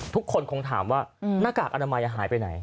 ทุกคนคงถามว่าหน้ากากอนามัยหายไปไหน